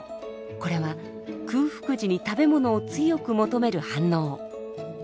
これは空腹時に食べ物を強く求める反応。